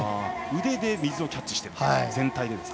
腕で水をキャッチしていると。